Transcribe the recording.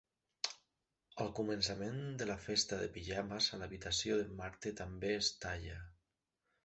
El començament de la festa de pijames a l'habitació d'en Marty també es talla.